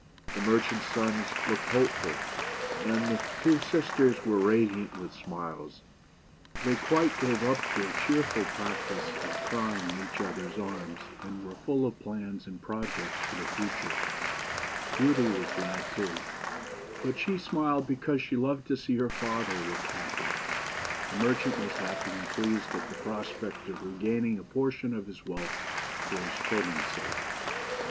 The merchant's sons looked hopeful, and the two sisters were radiant with smiles. They quite gave up their BEAUTY AND THE BEAST. cheerful practice of crying in each other's arms, and were full of plans and projects for the future. Beauty was glad too ; but she smiled because she loved to see her father look happy. The merchant was happy and pleased at the prospect of re gaining a portion of his wealth for his children's sake ; and BEAUTY'S MODEST REQUEST.